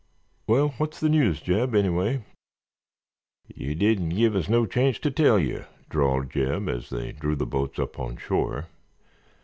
"Well, what's the news, Jeb, anyway?" "Yer didn't give us no chance ter tell yer," drawled Jeb, as they drew the boats up on shore.